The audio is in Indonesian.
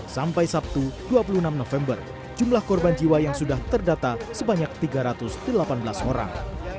sampai sabtu dua puluh enam november jumlah korban jiwa yang sudah terdata sebanyak tiga ratus delapan belas orang